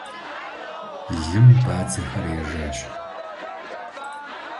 Лым бадзэхэр ежащ.